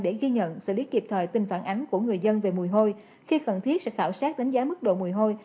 để ghi nhận xử lý kịp thời tin phản ánh của người dân về mùi hôi khi cần thiết sẽ khảo sát đánh giá mức độ mùi hôi